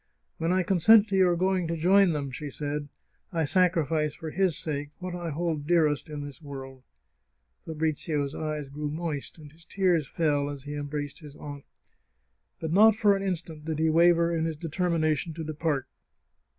" When I consent to your going to join them," she said, '* I sacrifice, for his sake, what I hold dearest in this world I " Fabrizio's eyes grew moist, and his tears fell as he embraced his aunt. But not for an instant did he waver in his deter mination to depart.